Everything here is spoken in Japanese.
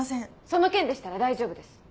その件でしたら大丈夫です。